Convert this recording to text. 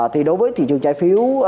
thì đối với thị trường trái phiếu